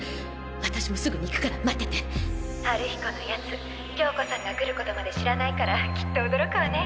私もすぐに行くから待ってて春彦の奴郷子さんが来る知らないからきっと驚くわね